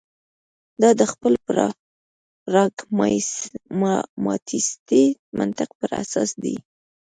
دا د خپل پراګماتیستي منطق پر اساس ده.